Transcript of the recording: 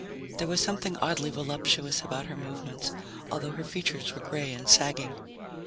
There was something oddly voluptuous about her movements, although her features were gray and sagging.